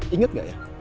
ingat gak ya